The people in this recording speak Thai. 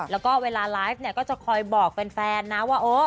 แล้วก็เวลาไลฟ์เนี่ยก็จะคอยบอกแฟนนะว่า